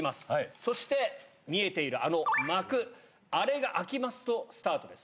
そして、見えているあの幕、あれが開きますと、スタートです。